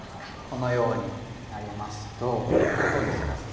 このようになりますとどうですか安田さん。